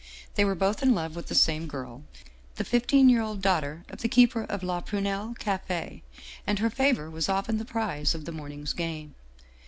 They were both in love with the same girl, the fifteen year old daughter of the keeper of ' La Prunelle ' Cafe, and her favor was often the prize of the morning's game.